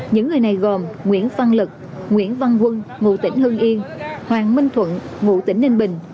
những người này gồm nguyễn văn lực nguyễn văn quân ngụ tỉnh hưng yên hoàng minh thuận ngụ tỉnh ninh bình